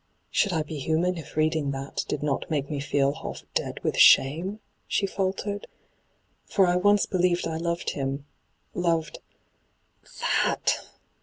' Should I be human if reading that did not make me feel half dead with shame V she filtered. ' For I once believed I loved him — loved — that